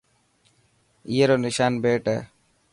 اي رو نشان بيٽ هي.